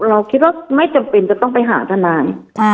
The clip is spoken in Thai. เราคิดว่าไม่จำเป็นจะต้องไปหาทนาย